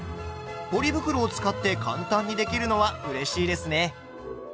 ポリ袋を使って簡単にできるのはうれしいですね。